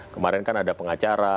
kemarin kan ada pengacara